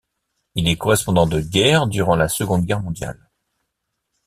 Il est correspondant de guerre durant la seconde guerre mondiale.